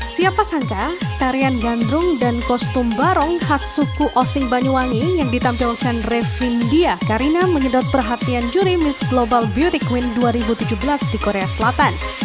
siapa sangka tarian gandrung dan kostum barong khas suku osing banyuwangi yang ditampilkan revindya karina menyedot perhatian juri miss global beauty queen dua ribu tujuh belas di korea selatan